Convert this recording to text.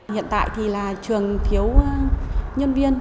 hiện tại thì là trường thiếu nhân viên